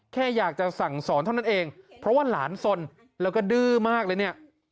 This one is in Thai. แค่อยากจะสั่งสอนเท่านั้นเองเพราะว่าหลานสนแล้วก็ดื้อมากเลยเนี่ย